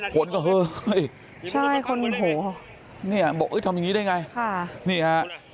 ขนก็เฮ้ยนี่บอกทำอย่างนี้ได้ไงนี่ค่ะ